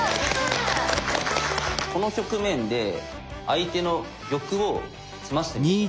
この局面で相手の玉を詰ましてみて下さい。